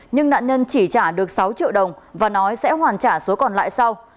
nhưng nạn nhân chỉ trả được sáu triệu đồng và nói sẽ hoàn trả số còn lại sau